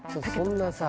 そんなさ。